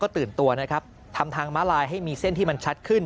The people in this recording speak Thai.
ตื่นตัวนะครับทำทางม้าลายให้มีเส้นที่มันชัดขึ้น